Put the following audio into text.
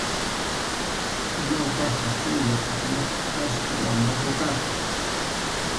Ñawpaqqa kay llaqtakunapi askha wanaku kaq.